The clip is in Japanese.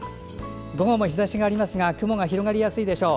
午後も日ざしがありますが雲が広がりやすいでしょう。